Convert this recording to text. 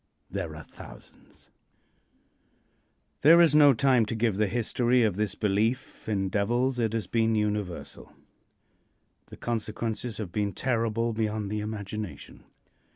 There are thousands. There is no time to give the history of this belief in devils. It has been universal. The consequences have been terrible beyond the imagination.